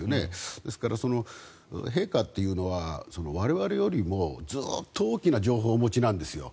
ですから、陛下というのは我々よりもずっと大きな情報をお持ちなんですよ。